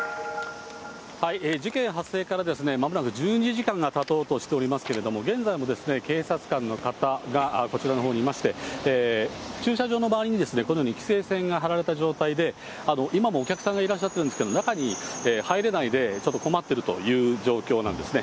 事件発生からまもなく１２時間がたとうとしていますけれども、現在も警察官の方がこちらのほうにいまして、駐車場の周りに、このように規制線が張られた状態で、今もお客さんがいらっしゃってるんですけれども、中に入れないでちょっと困っているという状況なんですね。